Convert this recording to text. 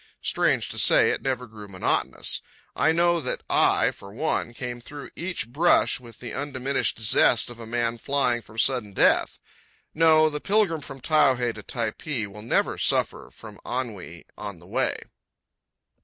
Strange to say, it never grew monotonous. I know that I, for one, came through each brush with the undiminished zest of a man flying from sudden death. No; the pilgrim from Taiohae to Typee will never suffer from ennui on the way.